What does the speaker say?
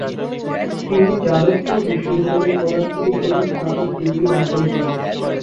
তিনি যাদবপুর বিশ্ববিদ্যালয়ে পদার্থবিজ্ঞানে স্নাতক ডিগ্রী অর্জন করেন।